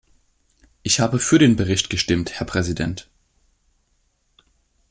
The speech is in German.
Ich habe für den Bericht gestimmt, Herr Präsident.